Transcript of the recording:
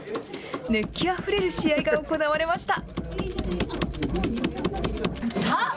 熱気あふれる試合が行われました。